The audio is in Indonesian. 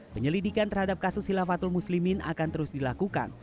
penyelidikan terhadap kasus hilafatul muslimin akan terus dilakukan